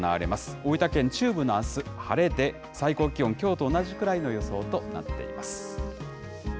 大分県中部のあす、晴れで、最高気温きょうと同じくらいの予想となっています。